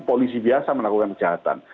polisi biasa melakukan kejahatan